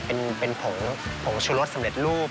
เป็นผงผงชุรสสำเร็จรูป